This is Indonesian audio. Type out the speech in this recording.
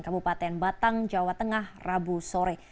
kabupaten batang jawa tengah rabu sore